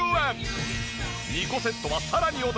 ２個セットはさらにお得！